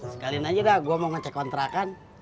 sekalian aja dah gue mau ngecek kontrakan